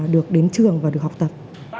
được đến trường và được học tập